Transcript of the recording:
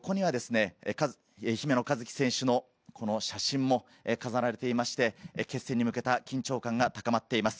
こちらのジャージー、その横には姫野和樹選手の写真も飾られていて、決戦に向けた緊張感が高まっています。